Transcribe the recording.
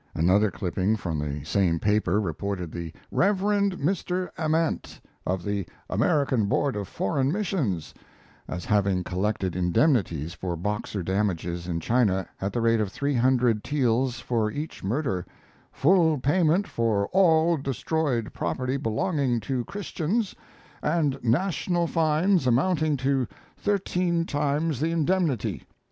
Another clipping from the same paper reported the "Rev. Mr. Ament, of the American Board of Foreign Missions," as having collected indemnities for Boxer damages in China at the rate of three hundred taels for each murder, "full payment for all destroyed property belonging to Christians, and national fines amounting to thirteen times the indemnity."